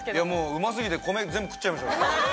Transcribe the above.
うま過ぎて米全部食っちゃいました。